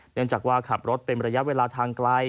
เนื่องจากว่าขับรถเป็นระยะเวลาทางไกล